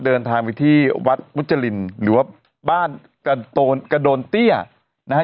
เดินทางไปที่วัดมุจรินหรือว่าบ้านกระโดนเตี้ยนะฮะ